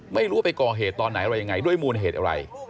ไม่รู้ว่าไปก่อเหตุตอนไหนอะไรยังไงด้วยมูลเหตุอะไร